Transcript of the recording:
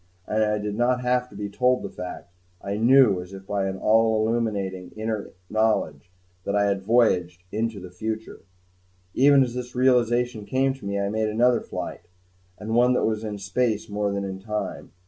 And I did not have to be told the fact; I knew, as by an all illuminating inner knowledge, that I had voyaged into the future. Even as this realization came to me, I made another flight and one that was in space more than in time.